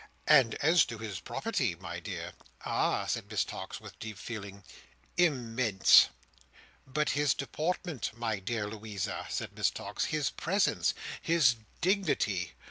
"And as to his property, my dear!" "Ah!" said Miss Tox, with deep feeling. "Im mense!" "But his deportment, my dear Louisa!" said Miss Tox. "His presence! His dignity!